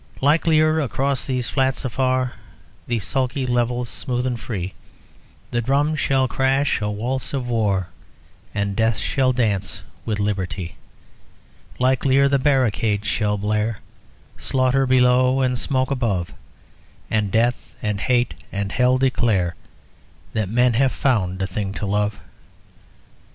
"_ _Likelier across these flats afar These sulky levels smooth and free The drums shall crash a waltz of war And Death shall dance with Liberty; Likelier the barricades shall blare Slaughter below and smoke above, And death and hate and hell declare That men have found a thing to love.